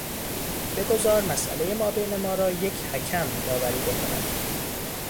بگذار مسئلهی مابین ما را یک حکم داوری بکند.